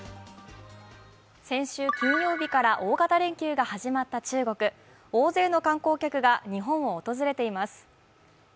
先週金曜日から大型連休が始まった中国大勢の観光客が日本を訪れています。